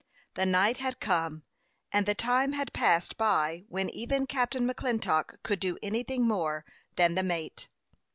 The night had come, and the time had passed by when even Captain McClintock could do anything more than the mate.